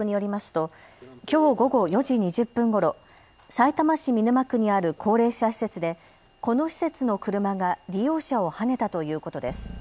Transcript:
ときょう午後４時２０分ごろ、さいたま市見沼区にある高齢者施設でこの施設の車が利用者をはねたということです。